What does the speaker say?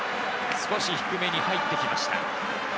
少し低めに入ってきました。